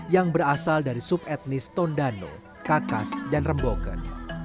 yang berasal dari subetnis tondano kakas dan remboken